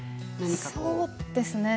そうですね。